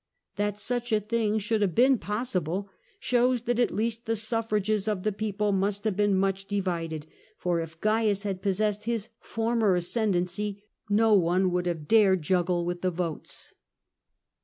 That such a thing should have been possible shows that at least the suffrages of the people must have been much divided, for if Cains had possessed his former ascendency, no one would have dared to juggle with the votes.